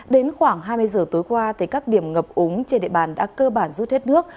đến khoảng hai mươi giờ tối qua các điểm ngập úng trên địa bàn đã cơ bản rút hết nước